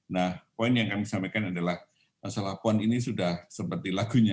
nah poin yang kami sampaikan adalah masalah pon ini sudah seperti lagunya